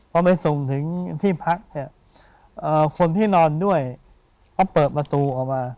พอไปส่งถึงที่พักเนี่ยคนที่นอนด้วยเขาเปิดประตูออกมา